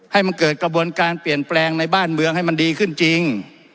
ให้มันเกิดกระบวนการเปลี่ยนแปลงในบ้านเมืองให้มันดีขึ้นจริง